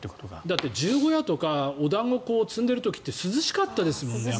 だって十五夜とかお団子を積んでる時って涼しかったですよね。